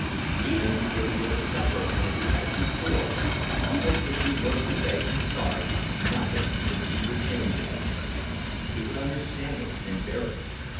Even if he were to suffer as he had before, even if he were to beg and starve, nothing would be the same to him; he would understand it, and bear it.